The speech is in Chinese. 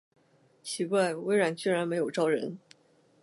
奇怪，微软居然没有招人